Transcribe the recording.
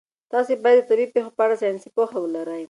تاسي باید د طبیعي پېښو په اړه ساینسي پوهه ولرئ.